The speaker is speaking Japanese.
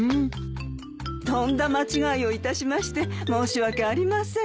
とんだ間違いをいたしまして申し訳ありません。